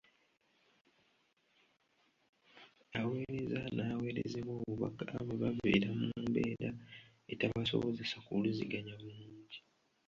Aweereza n’aweerezebwa obubaka bwe babeera mu mbeera etabasobozesa kuwuliziganya bulungi.